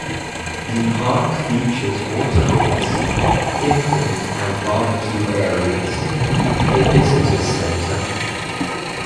The park features waterfalls, picnic and barbecue areas, a visitors centre.